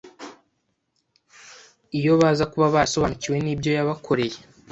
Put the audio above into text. Iyo baza kuba barasobanukiwe n'ibyo yabakoreye,